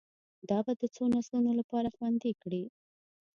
دا به د څو نسلونو لپاره خوندي کړي